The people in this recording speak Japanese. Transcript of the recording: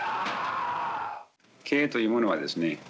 経営というものはですね。